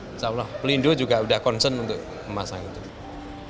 insya allah pelindung juga sudah concern untuk memasangnya